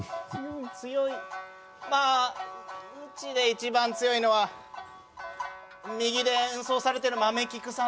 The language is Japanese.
強いまあうちで一番強いのは右で演奏されてる豆菊さん